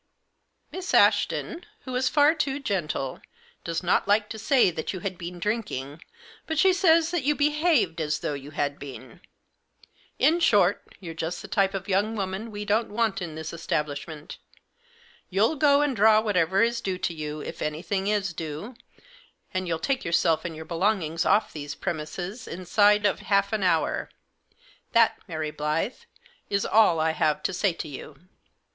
Miss Ashton, who is far too gentle, does not like to. say that you had been drinking, but she says that you behaved as though you had been. In short, you're just the type of young woman we don't want in this establishment. You'll go and draw whatever is due to you, if anything is due ; and you'll take yourself and your belongings off these premises inside of half an hour. That, Mary Blyth, is all I have to say to you."